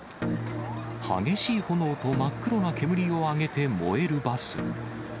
激しい炎と真っ黒な煙をあげて燃えるバス。